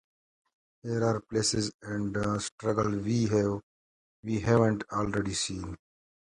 Here are places and struggles we haven't already seen.